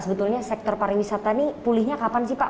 sebetulnya sektor pariwisata ini pulihnya kapan sih pak